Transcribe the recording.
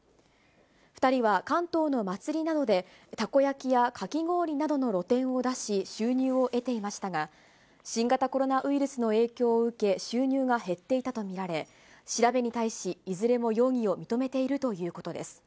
２人は関東の祭りなどで、たこ焼きやかき氷などの露店を出し、収入を得ていましたが、新型コロナウイルスの影響を受け、収入が減っていたと見られ、調べに対し、いずれも容疑を認めているということです。